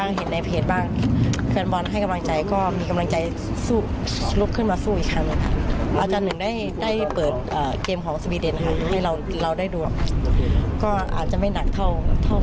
อาจจะไม่หนักเท่ากับเมืองหน้าค่ะ